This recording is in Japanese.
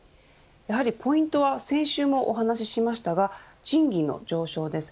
ポイントは先週もお話しましたが賃金の上昇です。